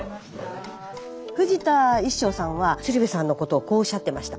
藤田一照さんは鶴瓶さんのことをこうおっしゃってました。